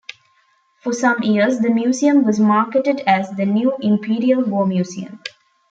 For some years the museum was marketed as 'The "new" Imperial War Museum'.